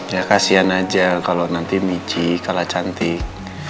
ya kasihan aja kalo nanti michi kalah cantik